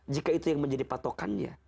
jika itu yang menjadi patokannya